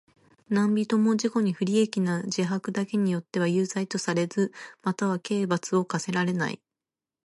何人（なんびと）も自己に不利益な自白だけによっては有罪とされず、または刑罰を科せられない。